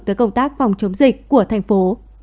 tới công tác phòng chống dịch của thành phố